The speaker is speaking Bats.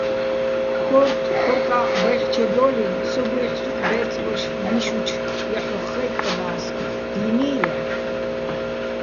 ქორთო̆ ქორკაჸ ბაჲჰ̦ჩედო́ლიჼ, სოგუ́ჲჰ̦ი̆ სუკ ბე́რწბოშ ჲიშუჩო̆ ჲაჰ̦ოხ ხაჲტტნას: დი́ნი́ ჲაჰ̦ო̆?